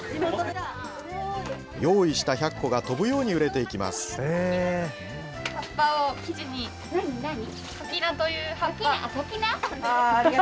用意した１００個が飛ぶように売れていきます。